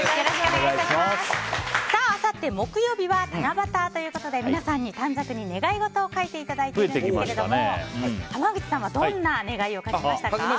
あさって木曜日は七夕ということで皆さんに短冊に願い事を書いていただいているんですが濱口さんはどんな願いを書きましたか？